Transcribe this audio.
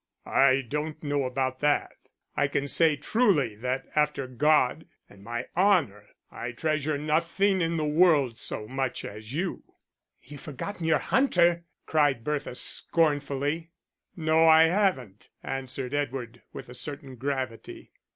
"I don't know about that. I can say truly that after God and my honour, I treasure nothing in the world so much as you." "You've forgotten your hunter," cried Bertha, scornfully. "No, I haven't," answered Edward, with a certain gravity.